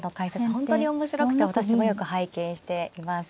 本当に面白くて私もよく拝見しています。